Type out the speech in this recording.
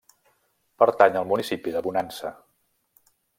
Pertany al municipi de Bonansa.